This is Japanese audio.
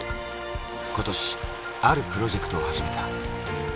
今年、あるプロジェクトを始めた。